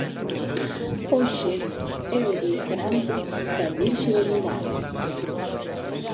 Hoxe é o día grande da Virxe dos Milagres.